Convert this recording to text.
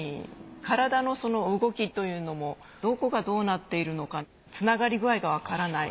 体の動きというのもどこがどうなっているのかつながり具合がわからない。